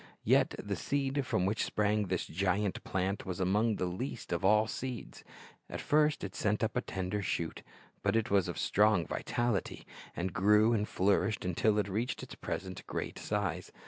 Yet the seed from which sprang this giant plant was among the least of all seeds. At first it sent up a tender shoot; but it was of strong vitality, and grew and flourished until it reached its present great size.